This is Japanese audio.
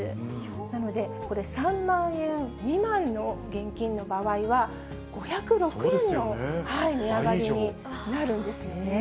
なので、これ３万円未満の現金の場合は、５０６円の値上がりになるんですよね。